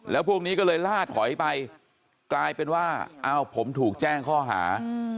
แล้วพวกนี้ก็เลยล่าถอยไปกลายเป็นว่าอ้าวผมถูกแจ้งข้อหา